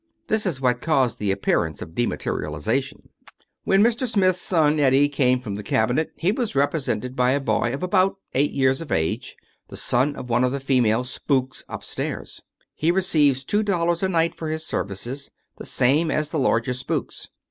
This is what caused the appearance of " dematerialization.'' When Mr. Smith's son, Eddie, came from the cabinet, he was represented by a boy of about eight years of age, the son of one of the female " spooks " upstairs. He receives two dollars a night for his services, the same as the larger spooks.